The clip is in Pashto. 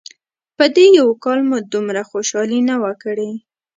په دې یو کال مو دومره خوشحالي نه وه کړې.